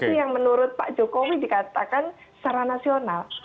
itu yang menurut pak jokowi dikatakan secara nasional